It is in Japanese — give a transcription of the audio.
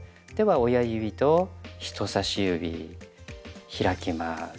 では親指と人さし指開きます。